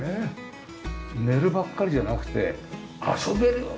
寝るばっかりじゃなくて遊べるよ